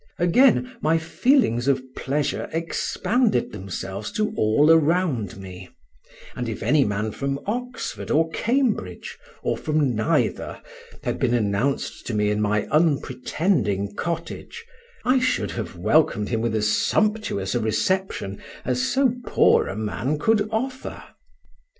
Again my feelings of pleasure expanded themselves to all around me; and if any man from Oxford or Cambridge, or from neither, had been announced to me in my unpretending cottage, I should have welcomed him with as sumptuous a reception as so poor a man could offer.